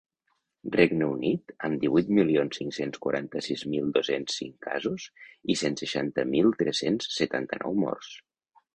Regne Unit, amb divuit milions cinc-cents quaranta-sis mil dos-cents cinc casos i cent seixanta mil tres-cents setanta-nou morts.